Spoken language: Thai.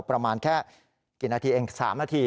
ประมาณแค่กี่นาทีเอง๓นาที